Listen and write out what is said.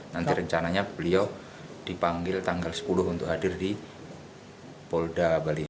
nanti rencananya beliau dipanggil tanggal sepuluh untuk hadir di polda bali